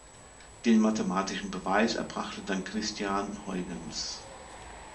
Den mathematischen Beweis erbrachte dann Christiaan Huygens.